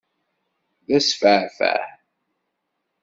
D asfaɛfaɛ!